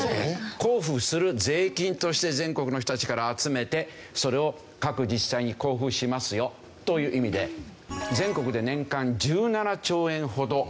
交付する税金として全国の人たちから集めてそれを各自治体に交付しますよという意味で全国で年間１７兆円ほど。